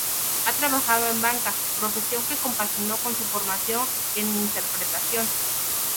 Ha trabajado en banca, profesión que compaginó con su formación en interpretación.